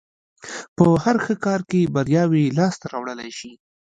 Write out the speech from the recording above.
په هر ښه کار کې برياوې لاس ته راوړلای شي.